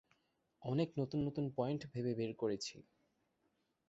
অনেক নতুন-নতুন পয়েন্ট ভেবে বের করেছি।